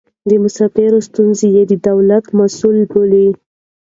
د مسافرو ستونزې يې د دولت مسئله بلله.